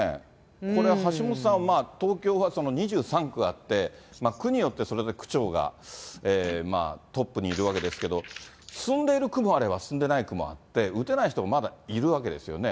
これ、橋下さん、東京は２３区あって、区によってそれぞれ区長がトップにいるわけですけど、進んでいる区もあれば進んでない区もあって、打てない人もまだいるわけですよね。